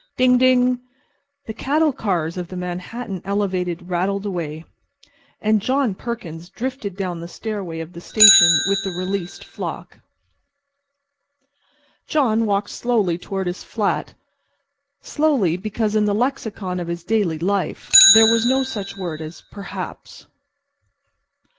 Ding ding! The cattle cars of the Manhattan Elevated rattled away, and John Perkins drifted down the stairway of the station with the released flock. John walked slowly toward his flat. Slowly, because in the lexicon of his daily life there was no such word as "perhaps."